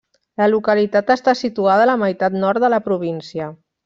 La localitat està situada a la meitat Nord de la província.